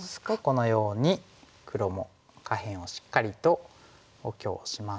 このように黒も下辺をしっかりと補強しまして。